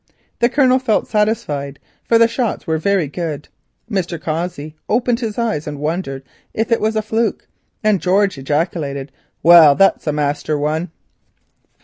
The Colonel felt satisfied, for the shots were very good. Mr. Cossey opened his eyes and wondered if it was a fluke, and George ejaculated, "Well, that's a master one."